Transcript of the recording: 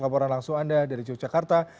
laporan langsung anda dari yogyakarta